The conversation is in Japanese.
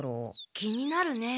気になるね。